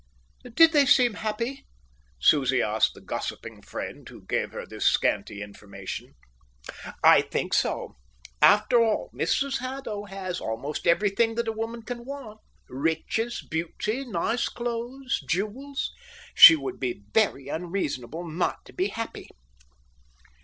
"Did they seem happy?" Susie asked the gossiping friend who gave her this scanty information. "I think so. After all, Mrs Haddo has almost everything that a woman can want, riches, beauty, nice clothes, jewels. She would be very unreasonable not to be happy."